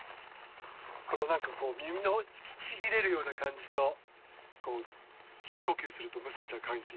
この何かこう耳の引きちぎれるような感じと深呼吸するとむせちゃう感じ。